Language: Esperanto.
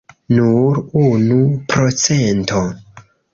Nur unu procento!